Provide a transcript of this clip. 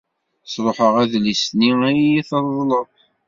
Sṛuḥeɣ adlis-nni ay iyi-d-treḍleḍ.